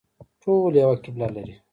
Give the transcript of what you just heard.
ټول یوه قبله لري